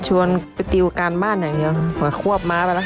ชวนไปติวการบ้านกันควบหม่าไปแล้ว